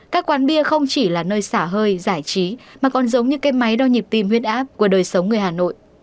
các quán bia không chỉ là nơi xả hơi giải trí mà còn giống như cái máy đo nhịp tim huyết áp của đời sống người hà nội